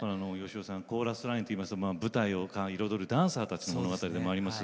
芳雄さん「コーラスライン」といいますと舞台を彩るダンサーたちの物語でもあります。